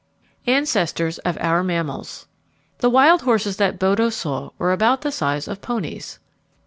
Ancestors of Our Mammals The wild horses that Bodo saw were about the size of ponies.